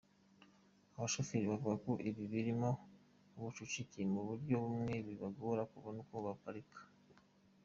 Abashoferi bavuga ko iba irimo ubucucike ku buryo bamwe bibagora kubona uko baparika.